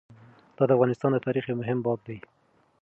دا د افغانستان د تاریخ یو مهم باب دی.